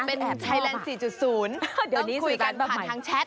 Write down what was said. เป็นไทยแลนด์๔๐ต้องคุยกันผ่านทางแชท